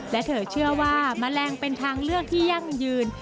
และเธอเชื่อว่าแมลงเป็นทางเลือกที่ยั่งยืน